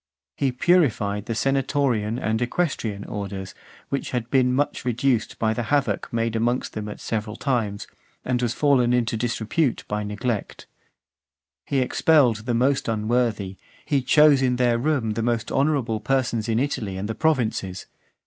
He purified the senatorian and equestrian orders, which had been much reduced by the havoc made amongst them at several times, and was fallen into disrepute by neglect. Having expelled the most unworthy, he chose in their room the most honourable persons in Italy and the provinces.